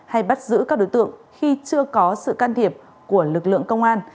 hay bắt giữ các đối tượng khi chưa có sự can thiệp của lực lượng công an